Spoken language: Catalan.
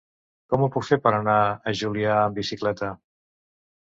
Com ho puc fer per anar a Juià amb bicicleta?